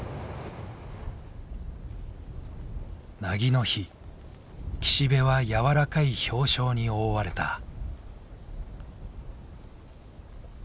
凪の日岸辺はやわらかい氷晶に覆われた。